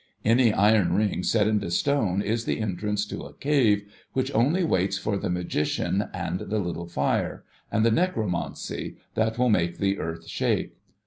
Any iron ring let into stone is the entrance to a cave which only waits for the magician, and the little fire, and the necromancy, that will make the earth shake.